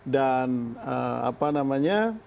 dan apa namanya